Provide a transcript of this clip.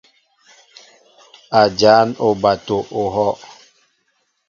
A jan oɓato ohɔʼ.